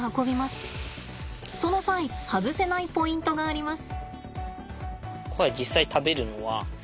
その際外せないポイントがあります。